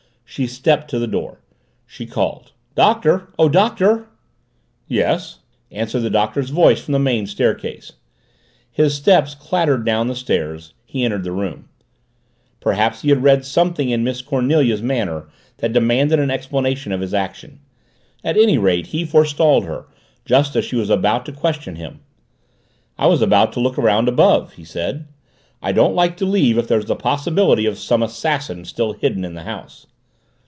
She stepped to the door. She called. "Doctor! Oh, Doctor!" "Yes?" answered the Doctor's voice from the main staircase. His steps clattered down the stairs he entered the room. Perhaps he read something in Miss Cornelia's manner that demanded an explanation of his action. At any rate, he forestalled her, just as she was about to question him. "I was about to look around above," he said. "I don't like to leave if there is the possibility of some assassin still hidden in the house."